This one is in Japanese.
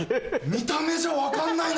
見た目じゃ分かんないな。